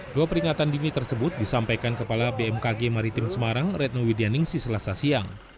dua peringatan dini tersebut disampaikan kepala bmkg maritim semarang retno widyaningsi selasa siang